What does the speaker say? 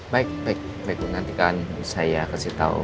baik bu nanti kan saya kasih tau